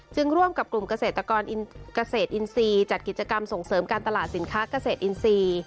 ร่วมกับกลุ่มเกษตรกรเกษตรอินทรีย์จัดกิจกรรมส่งเสริมการตลาดสินค้าเกษตรอินทรีย์